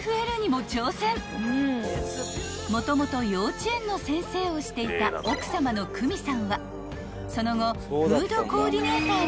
［もともと幼稚園の先生をしていた奥さまの倉実さんはその後］